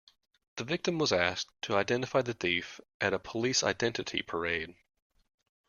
The victim was asked to identify the thief at a police identity parade